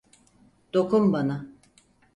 Dokun bana.